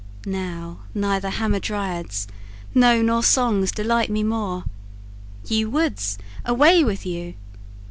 Now neither Hamadryads, no, nor songs Delight me more: ye woods, away with you!